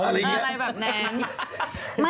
อะไรแบบนั้น